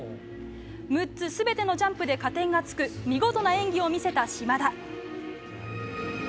６つ全てのジャンプで加点がつく見事な演技を見せた島田。